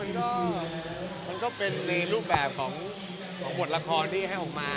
ไม่ครับผมว่ามันก็เป็นรูปแบบของบทละครที่ให้ออกมา